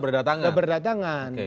beca sudah berdatangan